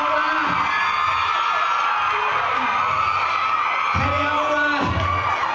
ใครเป็นตรงนี้